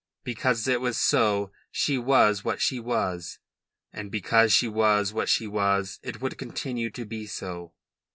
Because it was so she was what she was; and because she was what she was it would continue to be so.